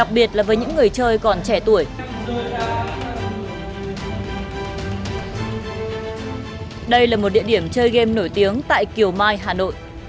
theo những người trông coi tại đây hoạt động của hệ thống này chưa bao giờ dừng lại dù là ngày hay đêm